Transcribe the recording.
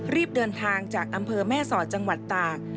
รีบเดินทางจากอำเภอแม่สอดจังหวัดตาก